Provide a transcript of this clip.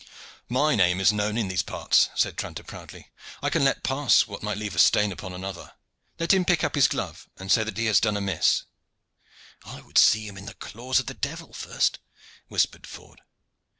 "My name is known in these parts," said Tranter, proudly, "I can let pass what might leave a stain upon another. Let him pick up his glove and say that he has done amiss." "I would see him in the claws of the devil first," whispered Ford.